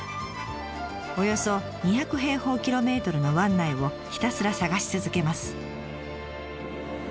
およそ２００平方キロメートルの湾内をひたすら捜し続けます。